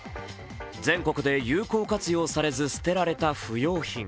全国で有効活用されず捨てられた不用品。